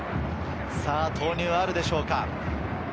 投入があるでしょうか？